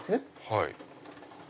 はい。